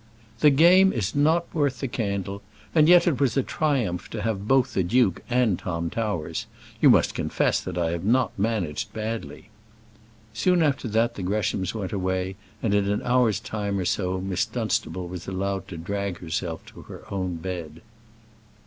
"The game is not worth the candle. And yet it was a triumph to have both the duke and Tom Towers. You must confess that I have not. managed badly." Soon after that the Greshams went away, and in an hour's time or so, Miss Dunstable was allowed to drag herself to her own bed.